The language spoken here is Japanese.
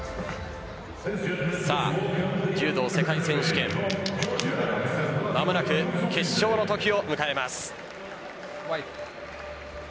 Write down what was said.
柔道世界選手間もなく決勝のときを迎えます。